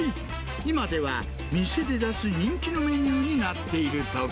今では店で出す人気のメニューになっているとか。